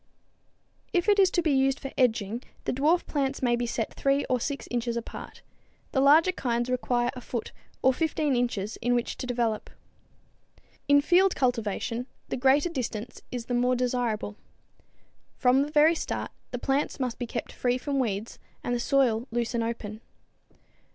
If to be used for edging, the dwarf plants may be set 3 or 6 inches apart; the larger kinds require a foot or 15 inches in which to develop. In field cultivation the greater distance is the more desirable. From the very start the plants must be kept free from weeds and the soil loose and open.